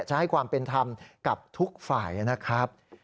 จะให้ความเป็นธรรมกับทุกฝ่ายนะครับ